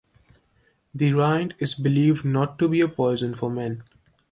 The rind is believed not to be a poison for men.